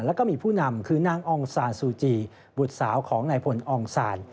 แล้วก็มีผู้นำคือนางองซานซูจีบุตรสาวของนายพลองศาล